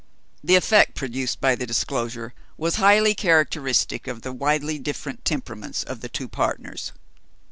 The effect produced by the disclosure was highly characteristic of the widely different temperaments of the two partners.